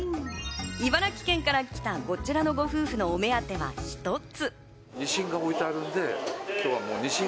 茨城県から来たこちらのご夫婦のお目当ては一つ。